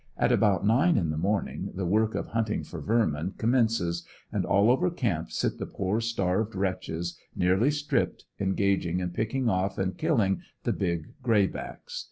At about nine in the morning the work of hunting for vermin com mences, and all over camp sit the poor starved wretches, nearly stripped, engaged in picking off and killing the big gray backs.